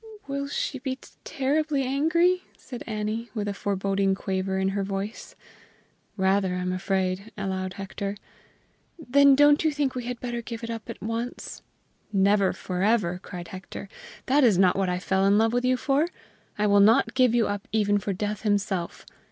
"Will she be terribly angry?" said Annie, with a foreboding quaver in her voice. "Rather, I am afraid," allowed Hector. "Then don't you think we had better give it up at once?" "Never forever!" cried Hector. "That is not what I fell in love with you for! I will not give you up even for Death himself!